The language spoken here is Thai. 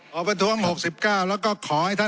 ขอประท้วงครับขอประท้วงครับขอประท้วงครับ